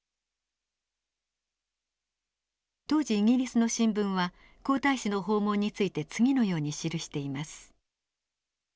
当時イギリスの新聞は皇太子の訪問について次のように記しています。